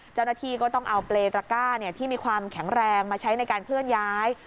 เจ้าหน้าที่ก็ต้องเอาเปรย์ตระก้าที่มีความแข็งแรงมาใช้ในการเคลื่อนย้าย